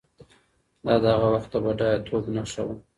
دا د هغه وخت د بډایه توب نښه وه.